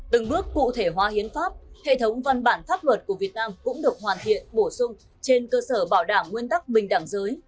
từng bước cụ thể hóa hiến pháp hệ thống văn bản pháp luật của việt nam cũng được hoàn thiện bổ sung trên cơ sở bảo đảm nguyên tắc bình đẳng giới